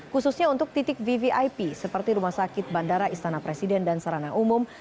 khususnya untuk titik vvip seperti rumah sakit bandara istana presiden dan sarana umum